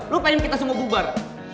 lo pengen kita semua bubar